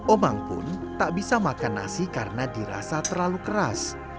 omang pun tak bisa makan nasi karena dirasa terlalu keras